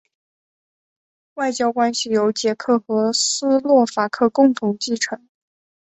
外交关系由捷克和斯洛伐克共同继承。